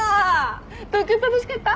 東京楽しかった？